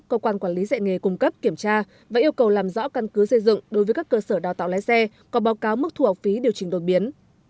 cơ quan quản lý dạy nghề cung cấp kiểm tra và yêu cầu làm rõ căn cứ xây dựng đối với các cơ sở đào tạo lái xe có báo cáo mức thu học phí điều chỉnh đột biến